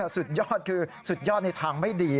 สุดยอดคือสุดยอดในทางไม่ดี